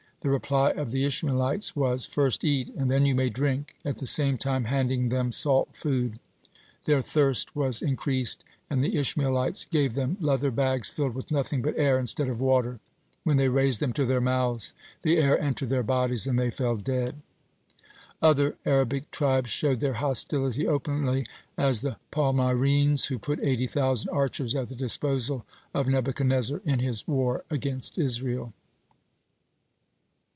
The reply of the Ishmaelites was: "First eat, and then you may drink," at the same time handing them salt food. Their thirst was increased, and the Ishmaelites gave them leather bags filled with nothing but air instead of water. When they raised them to their mouths, the air entered their bodies, and they fell dead. Other Arabic tribes showed their hostility openly; as the Palmyrenes, who put eighty thousand archers at the disposal of Nebuchadnezzar in his war against Israel.